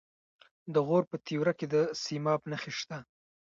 د غور په تیوره کې د سیماب نښې شته.